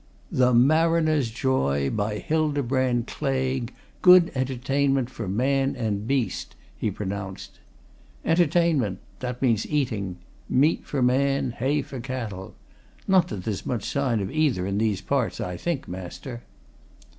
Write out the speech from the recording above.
"'The Mariner's Joy. By Hildebrand Claigue. Good Entertainment for Man and Beast,'" he pronounced. "'Entertainment' that means eating meat for man; hay for cattle. Not that there's much sign of either in these parts, I think, master."